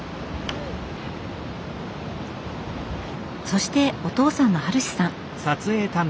そしてお父さんの晴史さん。